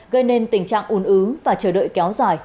gây nên tình trạng ồn ứ và chờ đợi kéo dài